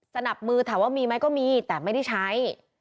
นับมือถามว่ามีไหมก็มีแต่ไม่ได้ใช้